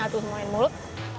satu semuanya mulut